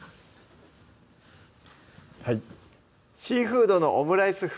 はい「シーフードのオムライス風」